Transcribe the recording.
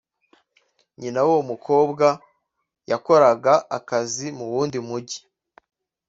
nyina w’uwo mukobwa yakoraga akazi mu wundi mujyi